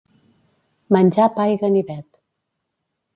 Menjar pa i ganivet.